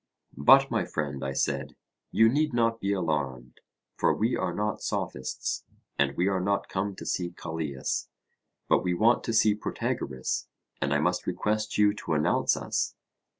But, my friend, I said, you need not be alarmed; for we are not Sophists, and we are not come to see Callias, but we want to see Protagoras; and I must request you to announce us.